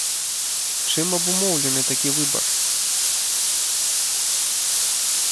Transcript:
Чым абумоўлены такі выбар?